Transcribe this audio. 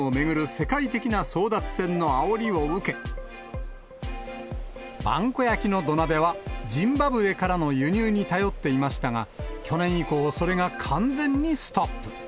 世界的な争奪戦のあおりを受け、萬古焼の土鍋はジンバブエからの輸入に頼っていましたが、去年以降、それが完全にストップ。